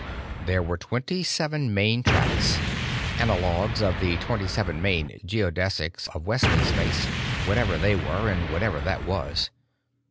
There were twenty seven main tracks, analogues of the twenty seven main geodesics of Wesley Space—whatever they were and whatever that was.